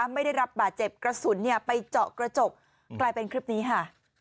ไม่ได้รับบาดเจ็บกระสุนไปเจาะกระจกกลายเป็นคลิปนี้ค่ะ